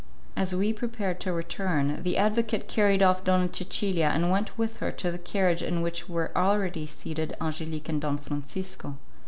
As we prepared to return, the advocate carried off Donna Cecilia and went with her to the carriage in which were already seated Angelique and Don Francisco.